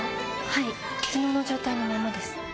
はい昨日の状態のままです。